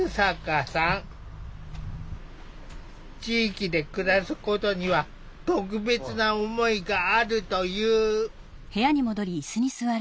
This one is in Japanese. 地域で暮らすことには特別な思いがあるという。